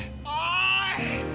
おい！